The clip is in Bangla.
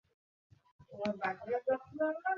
অ্যালেক আমাকে বাড়ি যেতে হবে।